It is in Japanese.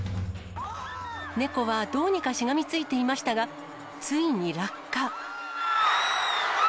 ネコはどうにかしがみついていましたが、ついに落下。